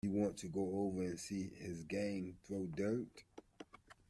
You want to go over and see his gang throw dirt.